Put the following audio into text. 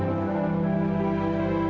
kenapa kamu tidur di sini sayang